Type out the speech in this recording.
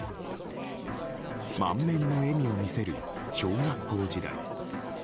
満面の笑みを見せる小学校時代。